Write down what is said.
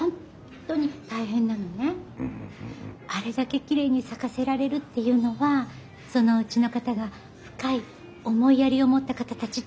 あれだけきれいに咲かせられるっていうのはそのおうちの方が深い思いやりを持った方たちってことなの。